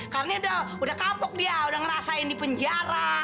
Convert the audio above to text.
karena udah kapuk dia udah ngerasain di penjara